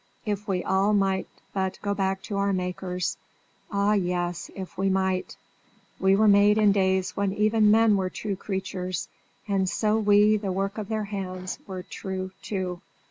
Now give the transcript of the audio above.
If we all might but go back to our makers! Ah, yes! if we might! We were made in days when even men were true creatures, and so we, the work of their hands, were true too.